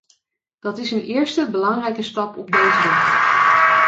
Dat is een eerste belangrijke stap op deze weg.